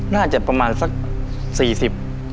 น่าจะประมาณสักสี่สิบ